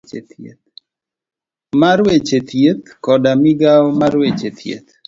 mar weche thieth koda gi migawo mar weche thieth.